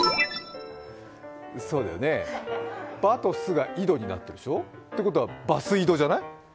そうよね、「ば」と「す」が井戸になってるでしょ、てことは「ばすいど」じゃない？